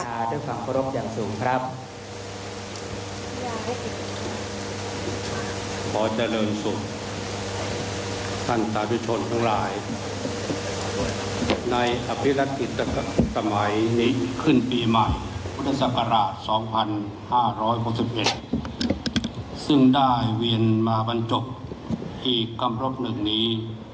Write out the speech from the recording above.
อันที่๑๒๕๖๑ซึ่งได้เวียนมหาบันจบที่คำพรบหนึ่งนี้